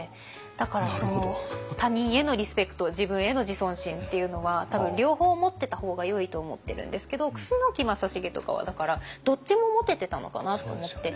だから他人へのリスペクト自分への自尊心っていうのは多分両方持ってた方がよいと思ってるんですけど楠木正成とかはだからどっちも持ててたのかなって思って。